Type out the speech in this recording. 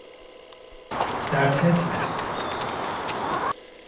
Dert etme.